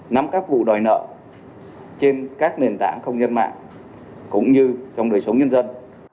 nắm các vụ đòi nợ trên các nền tảng không gian mạng cũng như trong đời sống nhân dân